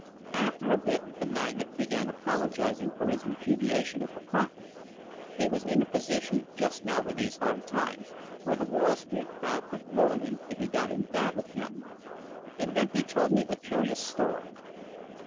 After a bit, the magnate began apologizing for his repudiation of the prophet. He was in a position, just now with these hard times, where the Wall Street crowd could ruin him if he got in bad with them. And then he told me a curious story.